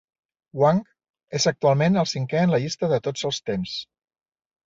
Wang és actualment el cinquè en la llista de tots els temps.